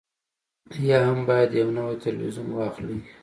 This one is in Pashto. یا هم باید یو نوی تلویزیون واخلئ